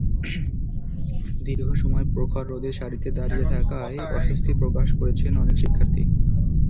দীর্ঘ সময় প্রখর রোদে সারিতে দাঁড়িয়ে থাকায় অস্বস্তি প্রকাশ করেছেন অনেক শিক্ষার্থী।